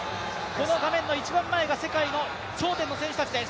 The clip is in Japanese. この画面の一番前が世界の頂点の選手たちです。